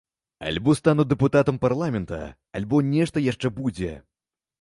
Альбо стану дэпутатам парламента, альбо нешта яшчэ будзе.